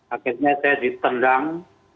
akhirnya saya ditendang